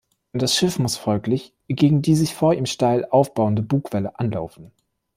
Das Schiff muss folglich gegen die sich vor ihm steil aufbauende Bugwelle anlaufen.